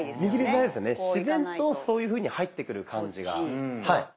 自然とそういうふうに入ってくる感じが。